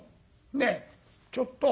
ねえちょっと。